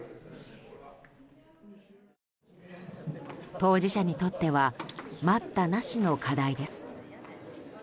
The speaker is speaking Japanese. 当事者にとっては待ったなしの課題です。